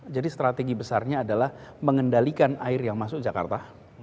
jadi strategi besarnya adalah mengendalikan air yang masuk jakarta